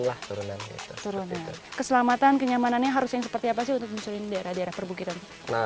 keselamatan kenyamanannya harus yang seperti apa sih untuk menyusulin daerah daerah perbukitan